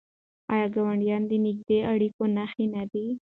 آیا ګاونډی د نږدې اړیکو نښه نه ده؟